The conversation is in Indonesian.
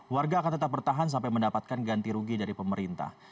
warga akan tetap bertahan sampai mendapatkan ganti rugi dari pemerintah